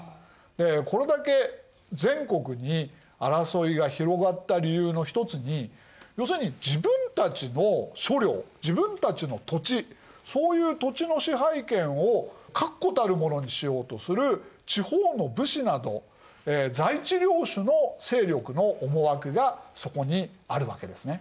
でこれだけ全国に争いが広がった理由のひとつに要するに自分たちの所領自分たちの土地そういう土地の支配権を確固たるものにしようとする地方の武士など在地領主の勢力の思惑がそこにあるわけですね。